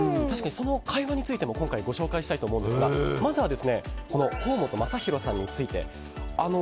確かに、その会話についても今回ご紹介したいと思うんですがまずは、甲本雅裕さんについて。